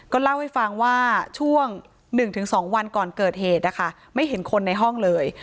เล่าให้ฟังว่าช่วง๑๒วันก่อนเกิดเหตุนะคะไม่เห็นคนในห้องเลย